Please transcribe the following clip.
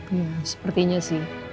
ya sepertinya sih